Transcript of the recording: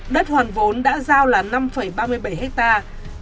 đất hoàn vốn đã giao là năm ba mươi bảy hectare